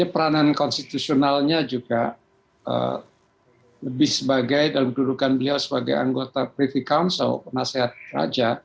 peranan konstitusionalnya juga lebih sebagai dalam kedudukan beliau sebagai anggota privy council penasehat raja